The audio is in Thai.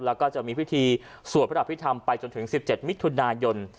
แล้วก็จะมีพิธีสวดพระอภิษฐรรมไปจนถึง๑๗มิถุนายน